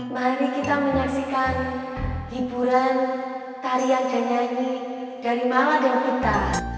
mari kita menyaksikan hiburan tarian dan nyanyi dari mama dan kita